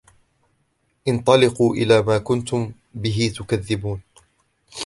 انطلقوا إلى ما كنتم به تكذبون